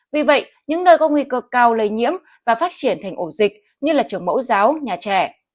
vì vậy những nơi có nguy cơ cao lây nhiễm và phát triển thành ổ dịch như trường mẫu giáo nhà trẻ